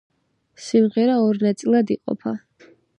სიმღერა ორ ნაწილად იყოფა.